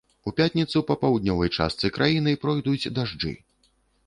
У пятніцу па паўднёвай частцы краіны пройдуць дажджы.